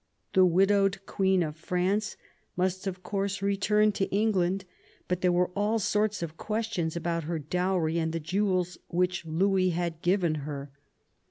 The widowed Queen of France must, of course, return to England, but there were all sorts of questions about her dowry and the jewels which Louis had given her.